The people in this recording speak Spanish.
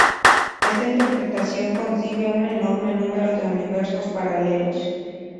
Esta interpretación concibe un enorme número de universos paralelos.